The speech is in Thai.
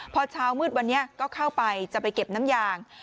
พอเช้ามืดวันนี้ก็เข้าไปจะไปเก็บน้ำยาง